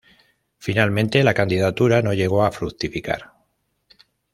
Finalmente, la candidatura no llegó a fructificar.